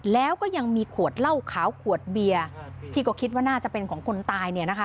แล้วก็ยังมีขวดเหล้าขาวขวดเบียร์ที่ก็คิดว่าน่าจะเป็นของคนตายเนี่ยนะคะ